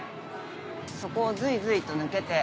そこをずいずいと抜けて。